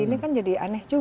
ini kan jadi aneh juga